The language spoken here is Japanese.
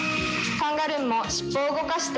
「カンガルン」も尻尾を動かして。